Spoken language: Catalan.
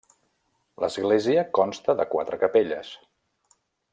L'església consta de quatre capelles.